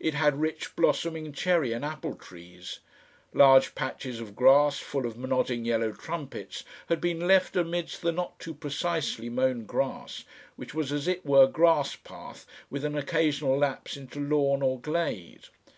It had rich blossoming cherry and apple trees. Large patches of grass full of nodding yellow trumpets had been left amidst the not too precisely mown grass, which was as it were grass path with an occasional lapse into lawn or glade.